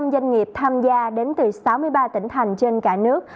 năm trăm linh doanh nghiệp tham gia đến từ sáu mươi ba tỉnh thành trên cả nước